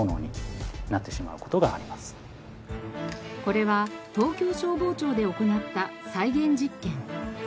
これは東京消防庁で行った再現実験。